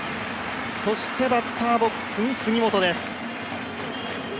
そしてバッターボックスに杉本です。